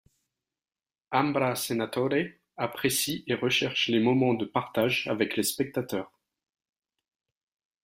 Ambra Senatore apprécie et recherche les moments de partage avec les spectateurs.